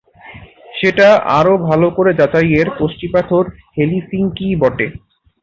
সেটা আরও ভালো করে যাচাইয়ের কষ্টিপাথর হেলসিংকিই বটে।